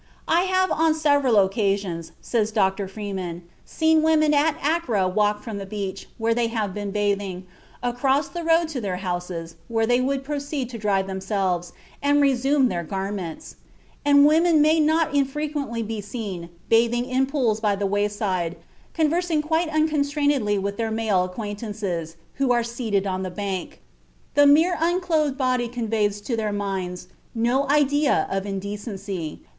"I have on several occasions," says Dr. Freeman, "seen women at Accra walk from the beach, where they have been bathing, across the road to their houses, where they would proceed to dry themselves, and resume their garments; and women may not infrequently be seen bathing in pools by the wayside, conversing quite unconstrainedly with their male acquaintances, who are seated on the bank. The mere unclothed body conveys to their minds no idea of indecency.